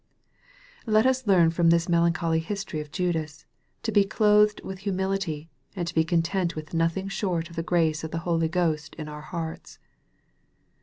Let us learn from this melancholy history of Judas, to be "clothed with humility," and to be content with nothing short of the grace of the Holy Ghost in our hearts.